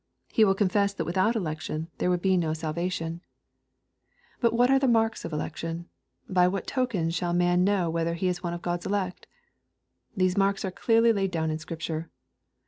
He will confess that without election there would be no salvation. LUKE, CHAP XVIII. 255 But what are the marks of election ? Bv Tvhat tokens shall a man know whether he is one of God's elect ? These marks are clearly laid down in Scripture.